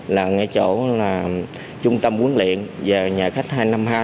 là ngay chỗ là trung tâm quấn liện và nhà khách hai trăm năm mươi hai